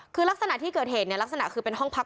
คือลักษณะที่เกิดเหตุเนี่ยลักษณะคือเป็นห้องพัก